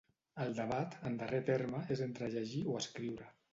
El debat, en darrer terme, és entre llegir o escriure.